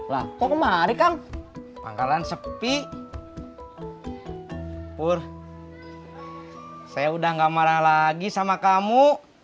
lah kok marikan pangkalan sepi pur saya udah enggak marah lagi sama kamu